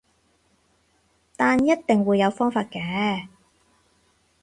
但一定會有方法嘅